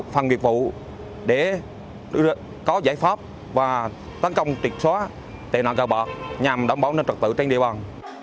phòng nghiệp vụ để có giải pháp và tấn công triệt xóa tệ nạn gạo bạc nhằm đảm bảo nâng trật tự trên địa bàn